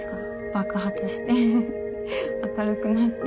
爆発して明るくなって。